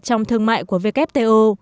trong thương mại của wto